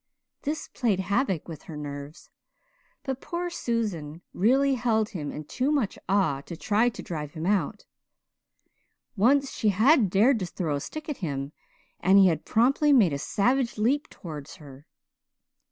This played havoc with her nerves, but poor Susan really held him in too much awe to try to drive him out. Once she had dared to throw a stick at him and he had promptly made a savage leap towards her.